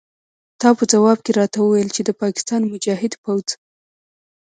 تا په ځواب کې راته وویل چې د پاکستان مجاهد پوځ.